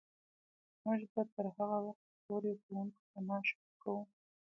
موږ به تر هغه وخته پورې ښوونکو ته معاش ورکوو.